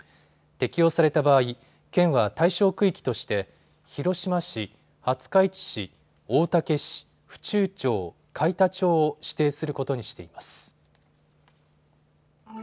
適用された場合、県は対象区域として広島市、廿日市市、大竹市、府中町、海田町を指定することにしています。